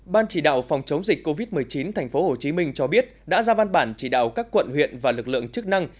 ban chỉ đạo phòng chống dịch covid một mươi chín tp hcm cho biết đã ra văn bản chỉ đạo các quận huyện và lực lượng chức năng